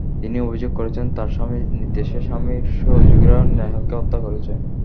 তিনি অভিযোগ করেছেন, তাঁর স্বামীর নির্দেশে স্বামীর সহযোগীরা নেহালকে হত্যা করেছে।